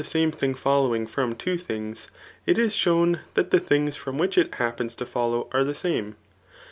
same thing fisllowmg from two things^ it is shown dnt die things from wliich it happeiis to follow are the fiame.